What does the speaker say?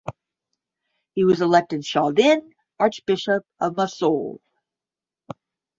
He was elected Chaldean archbishop of Mosul.